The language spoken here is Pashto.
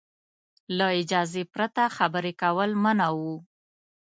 له اجازې پرته خبرې کول منع وو.